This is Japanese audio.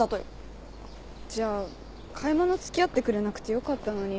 じゃあ買い物付き合ってくれなくてよかったのに。